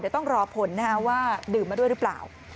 เดี๋ยวต้องรอผลว่าดื่มมาด้วยหรือเปล่า